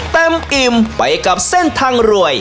อิ่มไปกับเส้นทางรวย